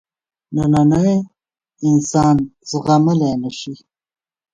نننی انسان زغملای نه شي.